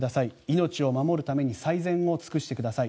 命を守るために最善を尽くしてください。